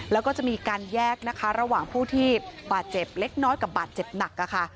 แล้วก็จะมีการแยกนะคะระหว่างผู้ที่บาดเจ็บเล็กน้อยกับบาดเจ็บหนักค่ะ